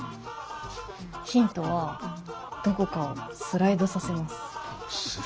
ヒントはどこかをスライドさせます。